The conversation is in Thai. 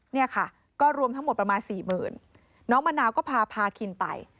เนี่ยค่ะก็รวมทั้งหมดประมาณสี่หมื่นน้องมะนาวก็พาพาคินไป